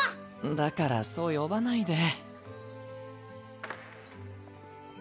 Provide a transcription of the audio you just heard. だからそう呼ばないで。